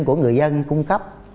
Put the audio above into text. của người dân cung cấp